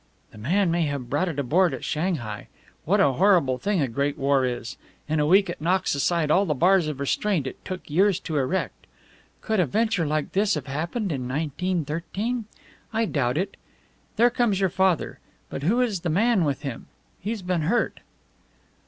"The man may have brought it aboard at Shanghai. What a horrible thing a great war is! In a week it knocks aside all the bars of restraint it took years to erect. Could a venture like this have happened in 1913? I doubt it. There comes your father. But who is the man with him? He's been hurt."